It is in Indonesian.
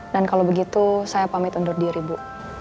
dan kalau begitu saya pamit undur diri bu